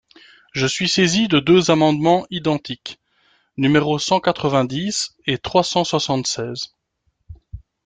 Je suis saisie de deux amendements identiques, numéros cent quatre-vingt-dix et trois cent soixante-seize.